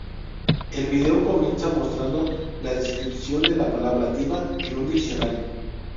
El video comienza mostrando la descripción de la palabra "Diva" en un diccionario.